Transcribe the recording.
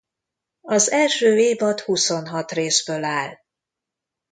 Az első évad huszonhat részből áll.